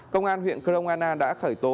công an huyện kroana đã khởi tố